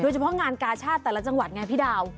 เฉพาะงานกาชาติแต่ละจังหวัดไงพี่ดาว